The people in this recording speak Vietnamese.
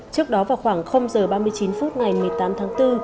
trước đó vào khoảng h ba mươi chín phút ngày một mươi tám tháng bốn